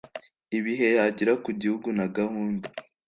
ibihe yagira ku gihugu na gahunda